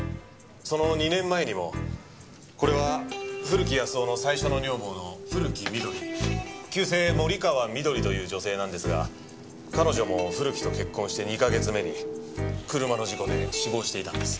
その２年前にもこれは古木保男の最初の女房の古木みどり旧姓森川みどりという女性なんですが彼女も古木と結婚して２カ月目に車の事故で死亡していたんです。